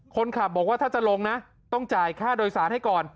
คนขับบอกว่าถ้าจะลงนะต้องจ่ายค่าโดยสารให้ก่อน